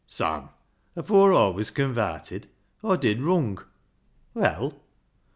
Sam, afoor Aw was convarted Aw did wrung." " Well ?